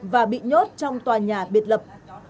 và bị nhốt trong tòa nhà biệt lập